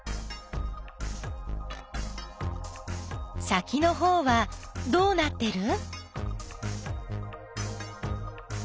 先のほうはどうなってる？